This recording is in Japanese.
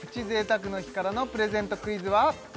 贅沢の日からのプレゼントクイズは？